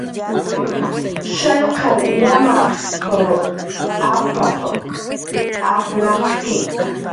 "Shallq jaqiq llamanw apap"" apnaq""ki"